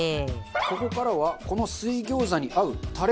ここからはこの水餃子に合うタレ作りです。